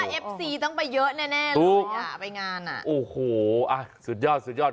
เอฟซีต้องไปเยอะแน่เลยอ่ะไปงานอ่ะโอ้โหอ่ะสุดยอดสุดยอด